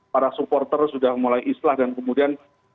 para supporter sudah mulai islah dan kemudian